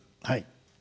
はい。